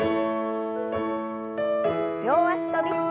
両脚跳び。